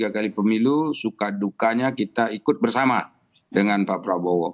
tiga kali pemilu suka dukanya kita ikut bersama dengan pak prabowo